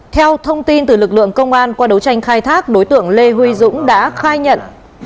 theo thông tin từ lực lượng công an qua đấu tranh khai thác đối tượng lê huy dũng đã khai nhận